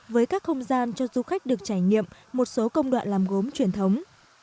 với các không gian cho du khách được trải nghiệm một số công đoạn làm gốm truyền thống